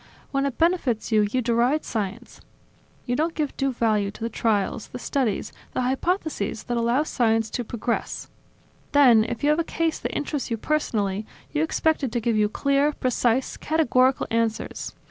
When it benefits you, you deride science, you don't give due value to the trials, the studies, the hypotheses that allow science to progress; then, if you have a case that interests you personally, you expect it to give you clear, precise, categorical answers.